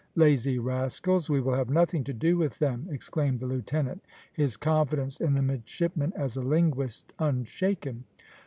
Lazy rascals, we will have nothing to do with them," exclaimed the lieutenant, his confidence in the midshipman as a linguist unshaken.